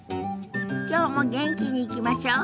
きょうも元気にいきましょう。